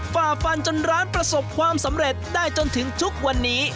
ฝ่าฟันจนร้านประสบความสำเร็จได้จนถึงทุกวันนี้